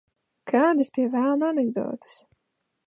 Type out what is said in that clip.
Kādas, pie velna, anekdotes?